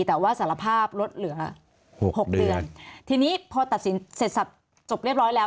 แต่ว่าสารภาพลดเหลือหกหกเดือนทีนี้พอตัดสินเสร็จสับจบเรียบร้อยแล้ว